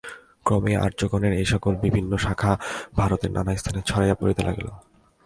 ক্রমে আর্যগণের এই সকল বিভিন্ন শাখা ভারতের নানাস্থানে ছড়াইয়া পড়িতে লাগিল।